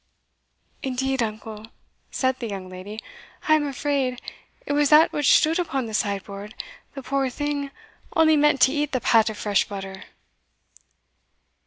"Indeed, uncle," said the young lady, "I am afraid it was that which stood upon the sideboard the poor thing only meant to eat the pat of fresh butter."